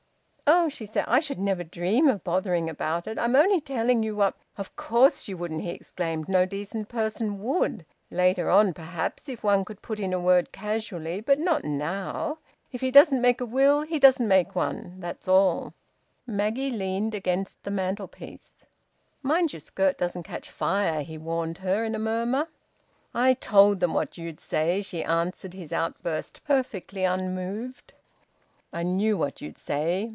"Oh!" she said, "I should never dream of bothering about it. I'm only telling you what " "Of course you wouldn't!" he exclaimed. "No decent person would. Later on, perhaps, if one could put in a word casually! But not now! ... If he doesn't make a will he doesn't make one that's all." Maggie leaned against the mantelpiece. "Mind your skirt doesn't catch fire," he warned her, in a murmur. "I told them what you'd say," she answered his outburst, perfectly unmoved. "I knew what you'd say.